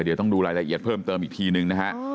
เดี๋ยวต้องดูรายละเอียดเพิ่มเติมอีกทีนึงนะฮะ